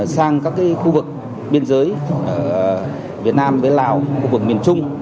đối với các khu vực biên giới việt nam với lào khu vực miền trung